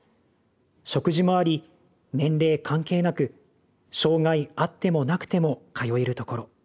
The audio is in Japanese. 食事もあり年齢関係なく障害あってもなくても通える所。